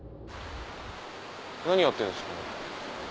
何やってんですか？